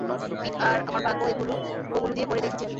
পিট আর আমার ভাগ্যও ওগুলো দিয়ে পড়ে দেখেছি আমি।